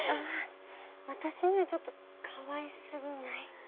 私にはちょっとかわいすぎない？